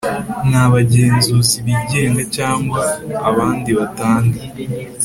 N abagenzuzi bigenga cyangwa abandi batanga